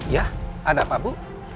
ya ada apa bu